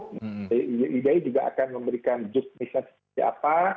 idai juga akan memberikan jub misal apa